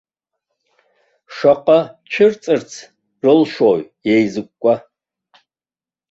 Шаҟа цәырҵырц рылшои еизыкәкәа?